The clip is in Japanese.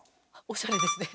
おしゃれですね。